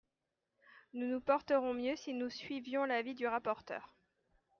Nous nous porterions mieux si nous suivions l’avis du rapporteur.